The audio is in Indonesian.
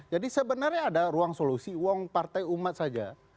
jadi sebenarnya ada ruang solusi uang partai umat saja